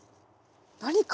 何か？